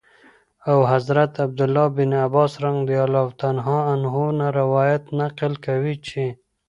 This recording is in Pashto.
او حضرت عبدالله بن عباس رضي الله تعالى عنهم نه روايت نقل كوي چې :